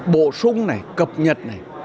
bổ sung cập nhật